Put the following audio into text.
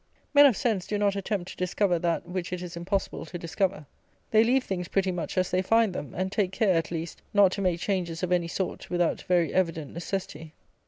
Men of sense do not attempt to discover that which it is impossible to discover. They leave things pretty much as they find them; and take care, at least, not to make changes of any sort, without very evident necessity.